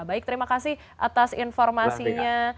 baik terima kasih atas informasinya